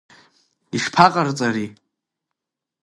Ишԥаҟарҵари?